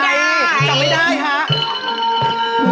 ไม่ได้ค่ะ